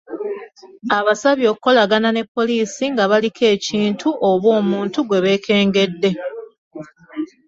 Abasabye okukolagana ne poliisi nga baliko ekintu oba omuntu gwe beekengedde.